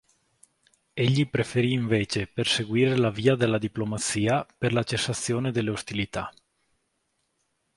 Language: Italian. Egli preferì invece perseguire la via della diplomazia per la cessazione delle ostilità.